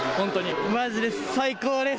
まじで最高です。